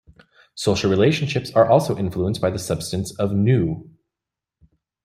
Social relationships are also influenced by the substance of Nu.